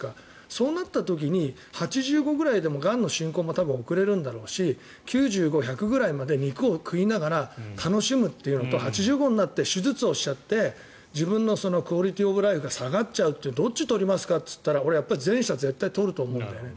そうなった時に８５歳ぐらいでもがんの進行も遅れるんだろうし９５、１００くらいまで肉を食いながら楽しむというのと８５になって手術して自分のクオリティーオブライフが下がっちゃうってどっちを取りますかといったら俺は前者を取ると思うんだよね。